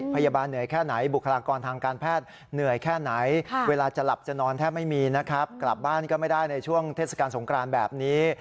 พยาบาลเหนื่อยแค่ไหนบุคลากรทางการแพทย์เหนื่อยแค่ไหนเวลาจะหลับจะนอนแทบไม่มีนะครับกลับบ้านก็ไม่ได้ในช่วงเทศกาลสงครานแบบนี้